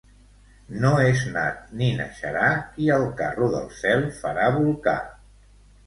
No és nat ni naixerà qui el Carro del cel farà bolcar.